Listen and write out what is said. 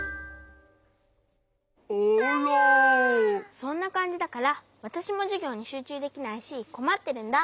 そんなかんじだからわたしもじゅぎょうにしゅうちゅうできないしこまってるんだ。